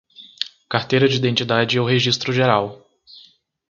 Carteira de Identidade ou Registro Geral